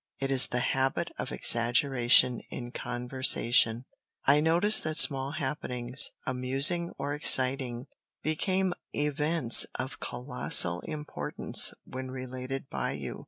It is the habit of exaggeration in conversation. I noticed that small happenings, amusing or exciting, became events of colossal importance when related by you.